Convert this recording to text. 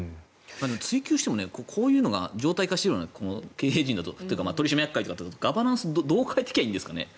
追及してもこういうのが常態化していると経営陣とか取締役会だとガバナンスをどう変えていくんですかね？